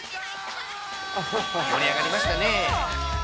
盛り上がりましたね。